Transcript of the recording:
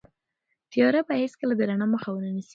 تیاره به هیڅکله د رڼا مخه ونه نیسي.